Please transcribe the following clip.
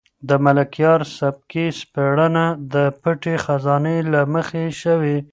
د ملکیار سبکي سپړنه د پټې خزانې له مخې شوې.